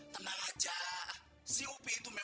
tenang aja siup itu